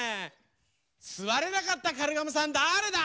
すわれなかったカルガモさんだれだ？